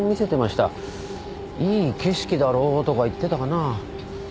「いい景色だろ」とか言ってたかな。